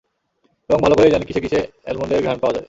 এবং ভালো করেই জানি কিসে কিসে অ্যালমন্ডের ঘ্রাণ পাওয়া যায়!